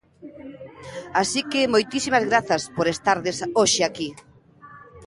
Así que moitísimas grazas por estardes hoxe aquí.